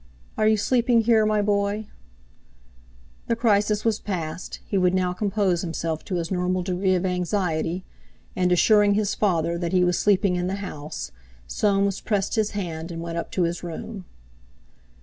Are you sleeping here, my boy?" The crisis was past, he would now compose himself to his normal degree of anxiety; and, assuring his father that he was sleeping in the house, Soames pressed his hand, and went up to his room.